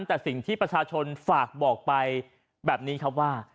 แต่สิ่งที่ประชาชนฝากบอกไปแบบนี้ครับว่า